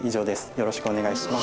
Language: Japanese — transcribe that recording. よろしくお願いします。